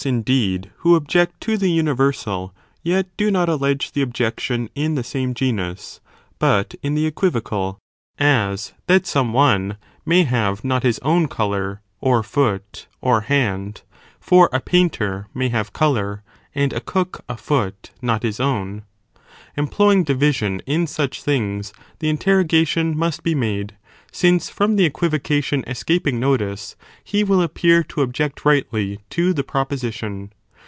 indeed, who object. to the universal, yet do not allege the objection in the same (genus), but in the equi vocal, (as that some one may have not his own colour, or foot, or hand, for a painter may have colour, and a cook a foot, not his own,) employing division in such things, the interrogation must be made, since from the equivocation escaping notice, 1 The respond. he { will appear to object rightly to the proposi tion.